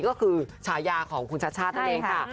ก็คือฉายาของคุณชัชชาตินั่นเองค่ะ